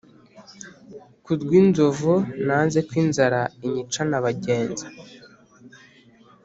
Ku rw'Inzovu nanze ko inzara inyicana abagenza